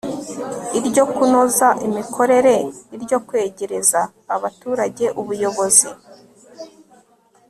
iryo kunoza imikorere, iryo kwegereza abaturage ubuyobozi